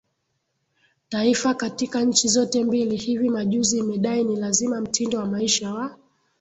Taifa katika nchi zote mbili Hivi majuzi imedai ni lazima mtindo wa maisha wa